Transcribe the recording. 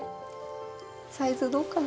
サイズどうかな。